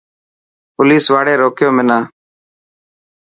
پوليس واڙي رڪيو منا.